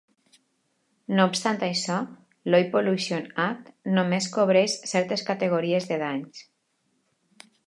No obstant això, l'"Oil Pollution Act" només cobreix certes categories de danys.